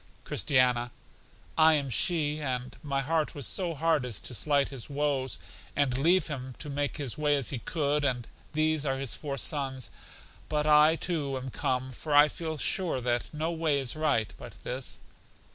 Christiana: I am she, and my heart was so hard as to slight his woes, and leave him to make his way as he could; and these are his four sons. But I, too, am come, for I feel sure that no way is right but this.